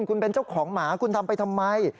คุณเป็นเจ้าของหมาคุณทำไปทำไม